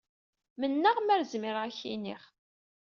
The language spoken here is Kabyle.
Mennaɣ mer zmireɣ ad ak-iniɣ.